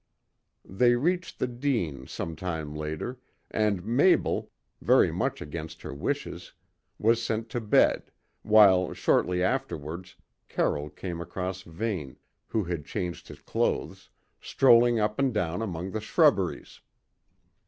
They reached the Dene some time later, and Mabel, very much against her wishes, was sent to bed, while shortly afterwards Carroll came across Vane, who had changed his clothes, strolling up and down among the shrubberies.